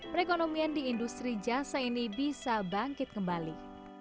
perekonomian di industri jasa ini bisa bangkit kembali